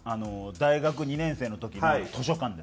大学２年生の時に図書館です。